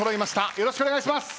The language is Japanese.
よろしくお願いします！